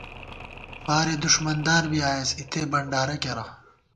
فارے دُݭمندار بی آئیېس ، اِتے بنڈارہ کېرہ